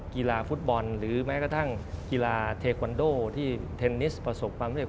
กีฬาฟุตบอลหรือแม้กระทั่งกีฬาเทควันโดที่เทนนิสประสบความเร็